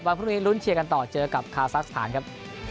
วันพรุ่งนี้รุ้นชื่อกันต่อเจอกับคาซักสธานครับ